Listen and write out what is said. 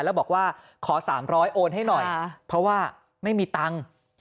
แล้วบอกว่าขอ๓๐๐โอนให้หน่อยเพราะว่าไม่มีตังค์